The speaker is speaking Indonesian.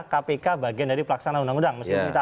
kpk bagian dari pelaksanaan undang undang